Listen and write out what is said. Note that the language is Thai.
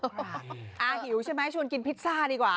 หมายถึงหิวใช่ไหมชวนกินพิซซ่าดีกว่า